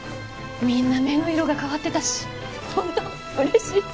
みんな目の色が変わってたし本当嬉しい。